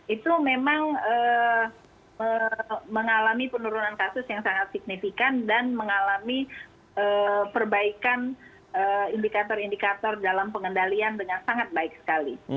itu memang mengalami penurunan kasus yang sangat signifikan dan mengalami perbaikan indikator indikator dalam pengendalian dengan sangat baik sekali